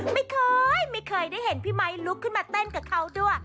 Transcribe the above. ไม่เคยไม่เคยได้เห็นพี่ไมค์ลุกขึ้นมาเต้นกับเขาด้วย